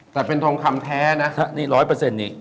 แต่เป็นทองคำแท้นะค่ะณ๑๐๐นี่